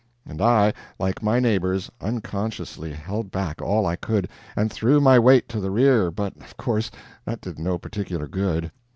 And I, like my neighbors, unconsciously held back all I could, and threw my weight to the rear, but, of course, that did no particular good.